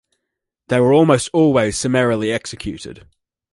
They were almost always summarily executed.